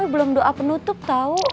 belum doa penutup tahu